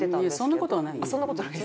そんなことはないよ。